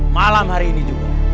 malam hari ini juga